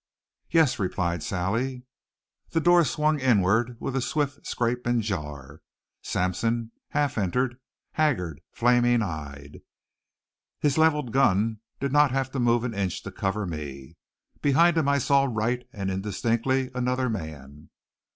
"Yes," replied Sally. The door swung inward with a swift scrape and jar. Sampson half entered, haggard, flaming eyed. His leveled gun did not have to move an inch to cover me. Behind him I saw Wright and indistinctly, another man.